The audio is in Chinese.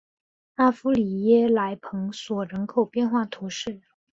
阿夫里耶莱蓬索人口变化图示